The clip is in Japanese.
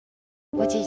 おじい